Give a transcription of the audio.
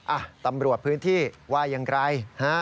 อ่ะตำรวจพื้นที่ว่าอย่างไร